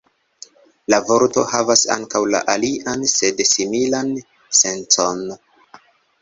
La vorto havas ankaŭ la alian sed similan sencon.